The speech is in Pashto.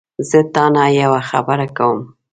زه تاته یوه خبره کوم